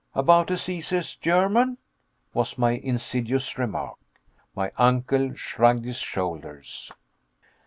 "About as easy as German?" was my insidious remark. My uncle shrugged his shoulders.